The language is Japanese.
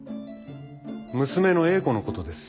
娘の英子のことです。